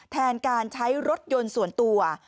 แทนการใช้รถยนต์ส่วนตัว